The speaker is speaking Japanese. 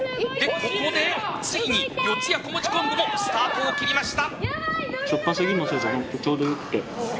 ここでついに四谷こもち昆布もスタートを切りました。